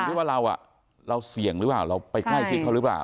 หรือว่าเราเสี่ยงหรือเปล่าเราไปใกล้ชิดเขาหรือเปล่า